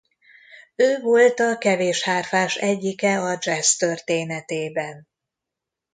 Ő volt a kevés hárfás egyike a jazz történetében.